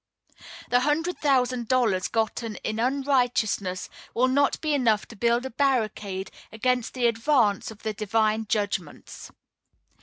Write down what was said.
The hundred thousand dollars gotten in unrighteousness will not be enough to build a barricade against the advance of the divine judgments.